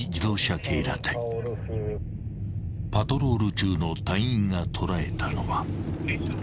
［パトロール中の隊員が捉えたのは］